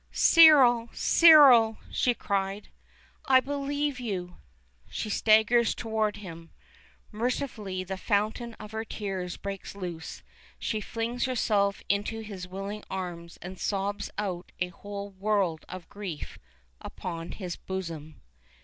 "Cyril! Cyril!" she cried. "I believe you." She staggers toward him. Mercifully the fountain of her tears breaks loose, she flings herself into his willing arms, and sobs out a whole world of grief upon his bosom.